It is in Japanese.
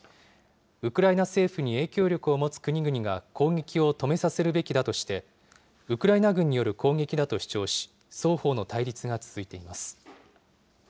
ウクライナ政府に影響力を持つ国々が攻撃を止めさせるべきだとして、ウクライナ軍による攻撃だと主張し、双方の対立が続いています。